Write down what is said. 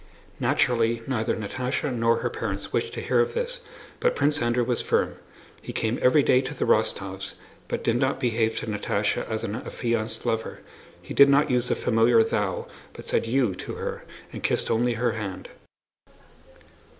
Naturally neither Natásha nor her parents wished to hear of this, but Prince Andrew was firm. He came every day to the Rostóvs', but did not behave to Natásha as an affianced lover: he did not use the familiar thou, but said you to her, and kissed only her hand.